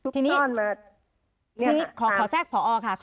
ทีนี้ขอแทรกพอค่ะ